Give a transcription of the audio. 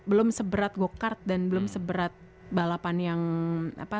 belum seberat go kart dan belum seberat balapan yang apa